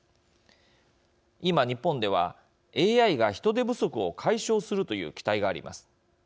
今日本ではＡＩが人手不足を解消するという期待があります。